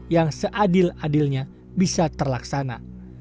yang seadil adilnya bisa terlaksana